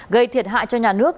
gây thiệt hại cho nhân dân